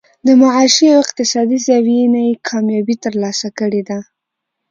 د معاشي او اقتصادي زاويې نه ئې کاميابي تر لاسه کړې ده